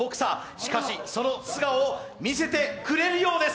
しかし、その素顔を見せてくれるようです。